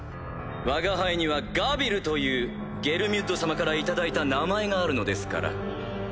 わが輩には「ガビル」というゲルミュッド様からいただいた名前があるのですから。